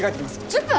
１０分！？